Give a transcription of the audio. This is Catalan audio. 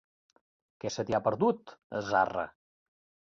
Què se t'hi ha perdut, a Zarra?